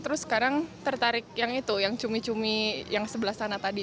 terus sekarang tertarik yang itu yang cumi cumi yang sebelah sana tadi